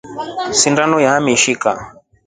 Sindono yamishka.